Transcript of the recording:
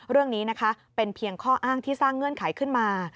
เรื่องนี้นะคะเป็นเพียงข้ออ้างที่สร้างเงื่อนไขขึ้นมา